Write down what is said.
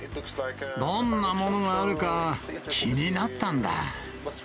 どんなものがあるか、気になったんだ。